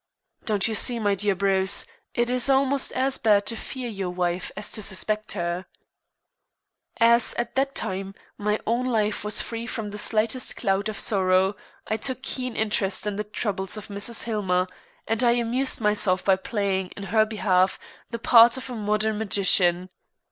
Don't you see, my dear Bruce, it is almost as bad to fear your wife as to suspect her. As, at that time, my own life was free from the slightest cloud of sorrow, I took keen interest in the troubles of Mrs. Hillmer, and I amused myself by playing, in her behalf, the part of a modern magician.